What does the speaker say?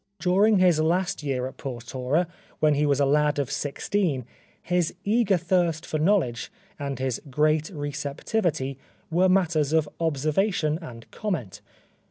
'* During his last year at Portora, when he was a lad of sixteen, his eager thirst for knowledge and his great receptivity were matters of observation and comment.